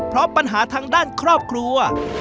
เพราะปัญหาทางด้านครอบครัว